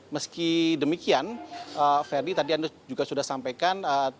meski demikian ferdi tadi anda juga sudah sampaikan